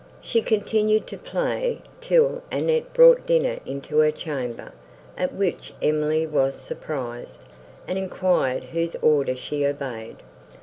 She continued to play, till Annette brought dinner into her chamber, at which Emily was surprised, and enquired whose order she obeyed.